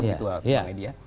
begitu pak pak hedya